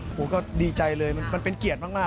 ผมก็ดีใจเลยมันเป็นเกียรติมาก